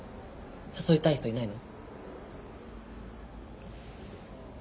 誘いたい人いないの？